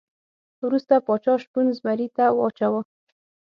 وروسته پاچا شپون زمري ته واچاوه.